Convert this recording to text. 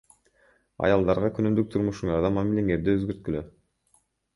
Аялдарга күнүмдүк турмушуңарда мамилеңерди өзгөрткүлө.